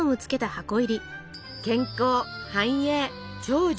健康繁栄長寿